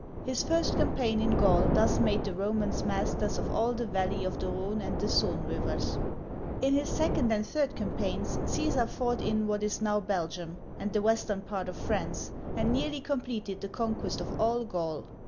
His first campaign in Gaul thus made the Romans masters of all the valley of the Rhone and Sadne rivers. In his second and third campaigns, Caesar fought in what is now Belgium, and the western part of France, and nearly completed the conquest of all Gaul.